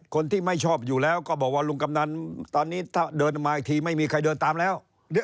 คนที่ไม่ชอบอยู่แล้วก็บอกว่าลุงกำนันตอนนี้ถ้าเดินมาอีกทีไม่มีใครเดินตามแล้ว